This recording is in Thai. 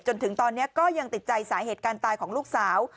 จนถึงตอนนี้ก็ยังติดใจสาเหตุการณ์ตายของลูกสาว